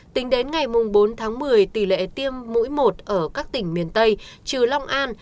tính đến ngày bốn tháng một mươi tỷ lệ tiêm mũi một ở các tỉnh miền tây trừ long an